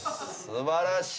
素晴らしい。